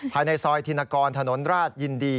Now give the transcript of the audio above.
ภายในซอยธินกรถนนราชยินดี